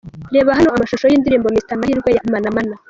Reba hano amashusho y’indirimbo ’Mr Mahirwe’ ya Manamana.